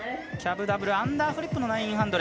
キャブダブルアンダーフリップの９００。